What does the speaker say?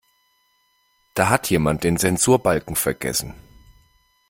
Da hat jemand den Zensurbalken vergessen.